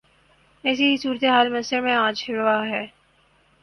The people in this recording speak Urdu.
ویسی ہی صورتحال مصر میں آج روا ہے۔